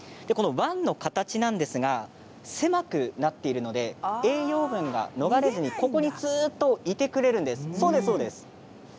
湾の形が狭くなっているので栄養分が逃れずにここにずっといてくれるんです。